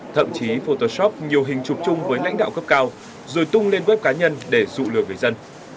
thậm chí photoshop nhiều hình chụp chung với lãnh đạo cấp cao rồi tung lên web cá nhân để dụ lừa người dân